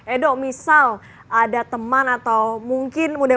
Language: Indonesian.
edo misal ada teman atau mungkin mudah